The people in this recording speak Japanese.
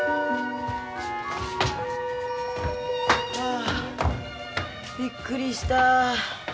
ああびっくりした。